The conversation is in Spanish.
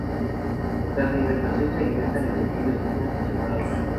Tras la hibernación se alimentan en pequeños grupos o por separado.